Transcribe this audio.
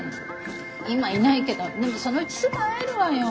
今いないけどでもそのうちすぐ会えるわよ。